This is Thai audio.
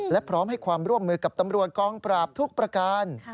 และพร้อมให้ความร่วมมือกับตำรวจกองปราบทุกประการ